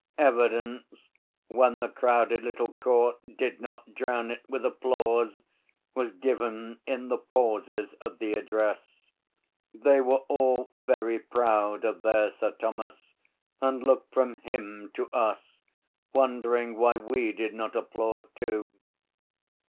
Evidence, when the crowded little court did not drown it with applause, was given in the pauses of the address. They were all very proud of their Sir Thomas, and looked from him to us, wondering why we did not applaud too.